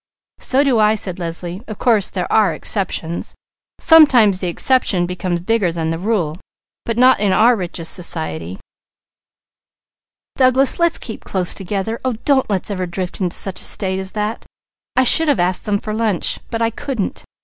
"So do I," said Leslie. "Of course there are exceptions. Sometimes the exception becomes bigger than the rule, but not in our richest society. Douglas, let's keep close together! Oh don't let's ever drift into such a state as that. I should have asked them to lunch, but I couldn't.